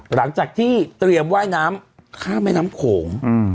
หลังจากที่เตรียมว่ายน้ำข้ามแม่น้ำโขง